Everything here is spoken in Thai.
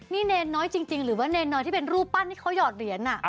นี่เนรน้อยจริงหรือว่าเนรน้อยที่เป็นรูปปั้นที่เขาหอดเหรียญ